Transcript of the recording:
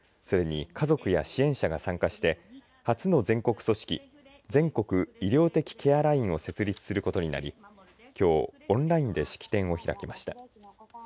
それに家族や支援者が参加して初の全国組織全国医療的ケアラインを設立することになりきょうオンラインで式典を開きました。